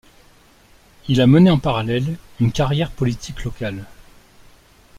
Il a mené en parallèle une carrière politique locale.